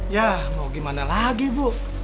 ya mau gimana lagi bu